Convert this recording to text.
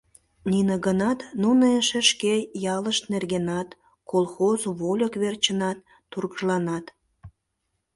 Нине гынат, нуно эше шке ялышт нергенат, колхоз вольык верчынат тургыжланат.